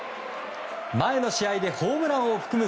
前の試合でホームランを含む